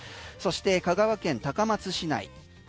香川県高松市内。